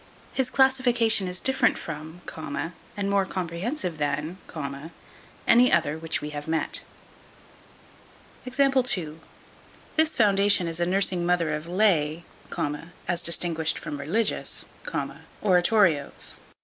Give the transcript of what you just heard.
His classification is different from, and more comprehensive than, any other which we have met. This foundation is a nursing mother of lay, as distinguished from religious, oratorios.